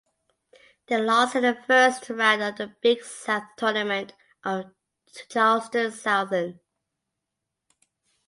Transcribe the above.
They lost in the first round of the Big South Tournament to Charleston Southern.